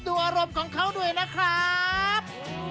ดูอารมณ์ของเขาด้วยนะครับ